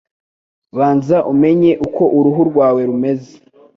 Banza umenye uko uruhu rwawe rumeze.